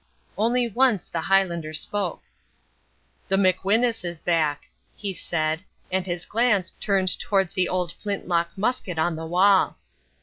Only once the Highlander spoke. "The McWhinus is back," he said, and his glance turned towards the old flint lock musket on the wall.